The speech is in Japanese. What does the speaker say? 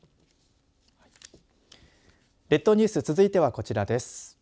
列島ニュース続いてはこちらです。